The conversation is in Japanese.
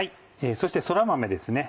そしてそら豆ですね